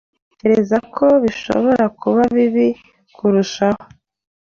Ntekereza ko bishobora kuba bibi kurushaho.